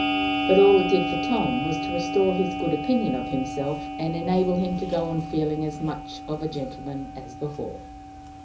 But all it did for Tom was to restore him his good opinion of himself, and enable him to go on feeling as much of a gentleman as before.